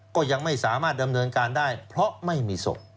ก็ยังไม่สามารถดำเนินการได้เพราะไม่มีศพ